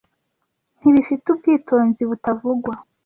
ntibifite ubwitonzi butavugwa